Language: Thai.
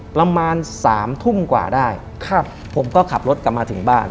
ประมาณสามทุ่มกว่าได้ครับผมก็ขับรถกลับมาถึงบ้าน